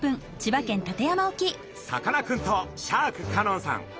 さかなクンとシャーク香音さん